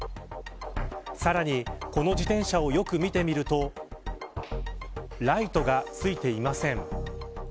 さらにこの自転車をよく見てみるとライトがついていません。